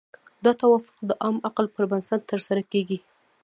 دا توافق د عام عقل پر بنسټ ترسره کیږي.